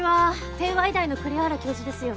帝和医大の栗原教授ですよね？